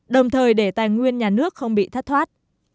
đồng thời để tài nguyên nhà nước không bị thất thoát